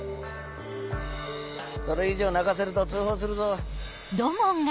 それ以上泣かせると通報するぞ。